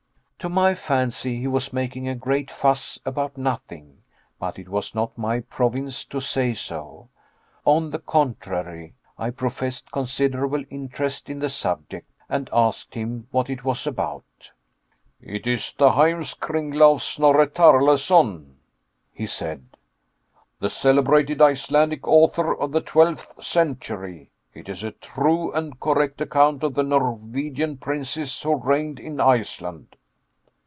To my fancy he was making a great fuss about nothing, but it was not my province to say so. On the contrary, I professed considerable interest in the subject, and asked him what it was about. "It is the Heims Kringla of Snorre Tarleson," he said, "the celebrated Icelandic author of the twelfth century it is a true and correct account of the Norwegian princes who reigned in Iceland."